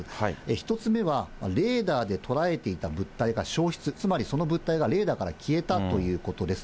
１つ目はレーダーで捉えていた物体が消失、つまりその物体がレーダーから消えたということです。